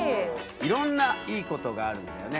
いろんないいことがあるんだよね。